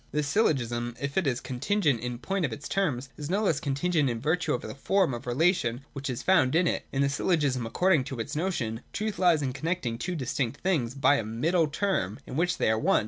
185.] (i3) This syllogism, if it is contingent in point of its terms, is no less contingent in virtue of the form of relation which is found in it. In the syllogism, according to its notion, truth lies in connecting two distinct things by a Middle Term in which they are one.